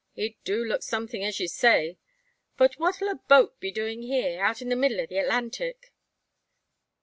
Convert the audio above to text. It do look somethin' as you say. But what ul a boat be doin' here, out in the middle o' the Atlantic?"